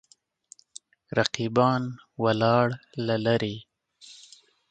رقیبان ولاړ له لرې.